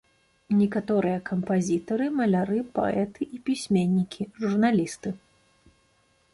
Некаторыя кампазітары, маляры, паэты і пісьменнікі, журналісты.